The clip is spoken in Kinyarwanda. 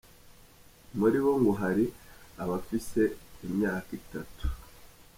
Muri bo ngo hari abafise imyaka itatu.